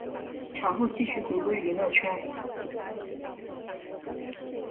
产后继续回归娱乐圈。